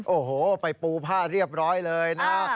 โอ้โหไปปูผ้าเรียบร้อยเลยนะ